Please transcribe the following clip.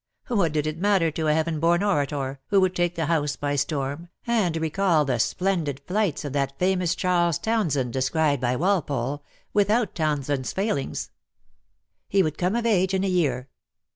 What did it matter to a Heaven born orator, who would take the House by storm, and recall the splendid flights of that famous Charles Townshend described by Walpole, without Townshend's failings? He would come of age in a year.